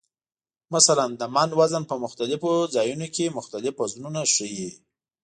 مثلا د "من" وزن په مختلفو ځایونو کې مختلف وزنونه ښیي.